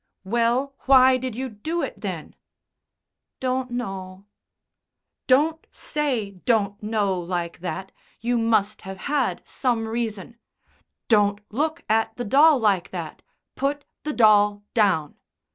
"Well, why did you do it, then?" "Don't know." "Don't say 'don't know' like that. You must have had some reason. Don't look at the doll like that. Put the doll down."